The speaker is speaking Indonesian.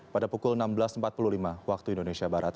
pada pukul enam belas empat puluh lima waktu indonesia barat